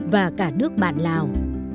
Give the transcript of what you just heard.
và cả nước bạn lào